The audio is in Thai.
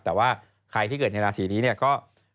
แต่ว่าใครที่เกิดในราศรีนี้ก็